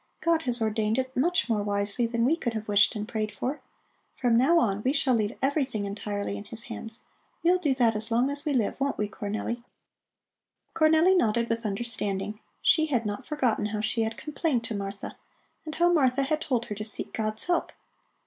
God has ordained it much more wisely than we could have wished and prayed for. From now on, we shall leave everything entirely in His hands. We'll do that as long as we live, won't we, Cornelli?" Cornelli nodded with understanding; she had not forgotten how she had complained to Martha, and how Martha had told her to seek God's help.